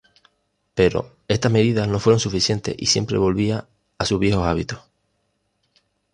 Pero estas medidas no fueron suficientes y siempre volvía a sus viejos hábitos.